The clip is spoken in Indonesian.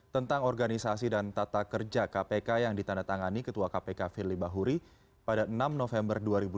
tentang organisasi dan tata kerja kpk yang ditandatangani ketua kpk firly bahuri pada enam november dua ribu dua puluh